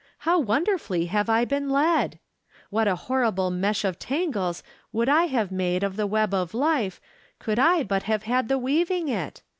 How wonderfully have I been led ! What a horrible mesh of tangles would I have made of the web of life could I but have had the weaving it!